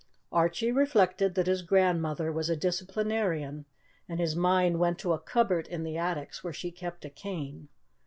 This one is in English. Archie reflected that his grandmother was a disciplinarian, and his mind went to a cupboard in the attics where she kept a cane.